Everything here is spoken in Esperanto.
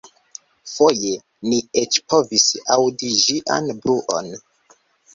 Foje ni eĉ povis aŭdi ĝian bruon.